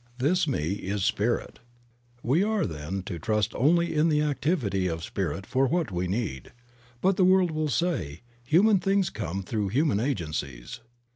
This Me is Spirit. We are, then, to trust only in the activity of Spirit for what we need. But the world will say, "Human things come through human agencies."